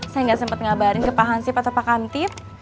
saya nggak sempat ngabarin ke pak hansif atau pak kantip